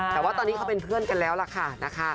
แต่ว่าตอนนี้เขาเป็นเพื่อนกันแล้วล่ะค่ะนะคะ